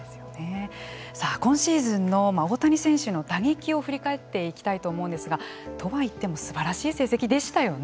さあ今シーズンの大谷選手の打撃を振り返っていきたいと思うんですがとは言ってもすばらしい成績でしたよね。